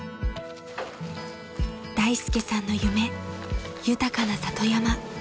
［大介さんの夢豊かな里山］